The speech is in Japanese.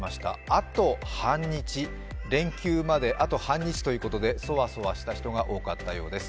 「あと半日」、連休まであと半日ということでそわそわした人が多かったようです。